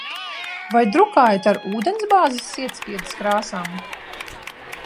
Vai drukājat ar ūdensbāzes sietspiedes krāsām?